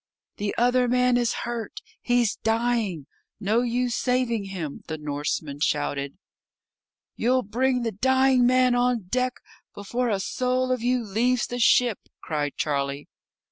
"The other man is hurt. He's dying. No use saving him," the Norseman shouted. "You'll bring the dying man on deck before a soul of you leaves the ship," cried Charlie.